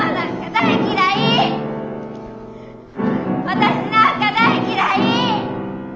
私なんか大嫌い！